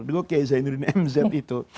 dulu kayak zainuddin mz itu